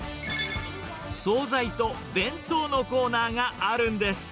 総菜と弁当のコーナーがあるんです。